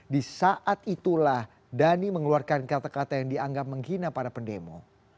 di saat itulah dhani mengeluarkan kata kata yang dianggap menghina para pendemo